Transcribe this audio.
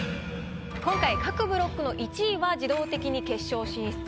今回各ブロックの１位は自動的に決勝進出。